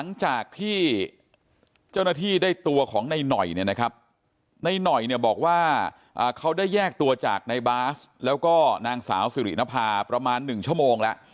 ในหน่อยบอกว่าเขาได้แยกตัวจากในบาร์สแล้วก็นางสาวสิรินภาพประมาณ๑ชั่วโมงแล้ว